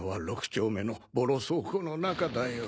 丁目のボロ倉庫の中だよ。